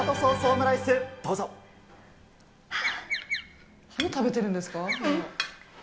もう食べてるんですか。